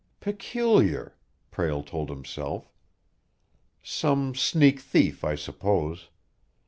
"Peculiar!" Prale told himself. "Some sneak thief, I suppose.